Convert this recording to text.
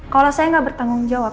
kalau saya nggak bertanggung jawab